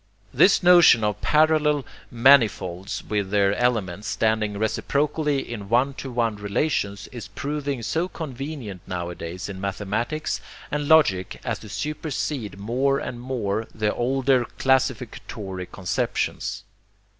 This notion of parallel 'manifolds' with their elements standing reciprocally in 'one to one relations,' is proving so convenient nowadays in mathematics and logic as to supersede more and more the older classificatory conceptions.